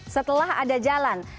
setelah ada jalan